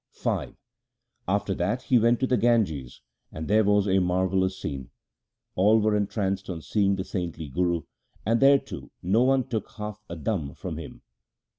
V After that he went to the Ganges and there was a mar vellous scene. All were entranced on seeing the saintly Guru, and there too no one took half a dam 1 from him.